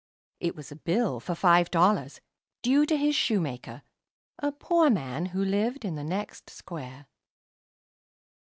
It was a bill for five dollars, due to his shoemaker, a poor man who lived in the next square.